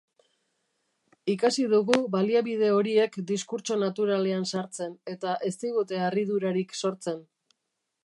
Ikasi dugu baliabide horiek diskurtso naturalean sartzen, eta ez digute harridurarik sortzen.